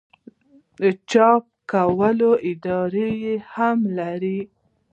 چاپ کولو اراده ئې هم لرله